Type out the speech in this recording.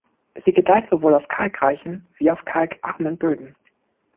Sie gedeiht sowohl auf kalkreichen wie auf kalkarmen Böden.